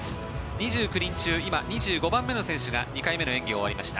２９人中今、２５番目の選手が２回目の演技終わりました。